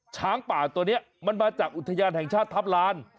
ช้างป่าตัวนี้มันมาจากอุทยานแห่งชาติทัพลาน